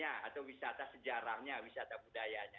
atau wisata sejarahnya wisata budayanya